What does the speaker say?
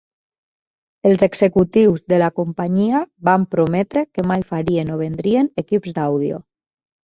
Els executius de la companyia van prometre que mai farien o vendrien equips d'àudio.